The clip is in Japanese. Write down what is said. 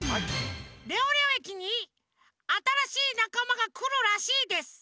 レオレオ駅にあたらしいなかまがくるらしいです。